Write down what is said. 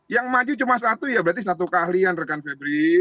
yang maju cuma satu ya berarti satu keahlian rekan febri